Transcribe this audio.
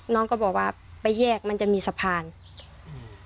น้องก็บอกว่าไปแยกมันจะมีสะพานอืม